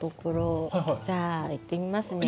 じゃあいってみますね。